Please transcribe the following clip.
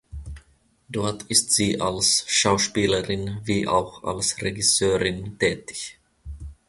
Dort ist sie als Schauspielerin wie auch als Regisseurin tätig.